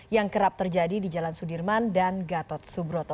yang kerap terjadi di jalan sudirman dan gatot subroto